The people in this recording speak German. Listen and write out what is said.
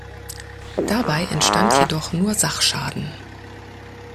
Dabei entstand jedoch nur Sachschaden.